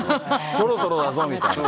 そろそろだぞみたいな。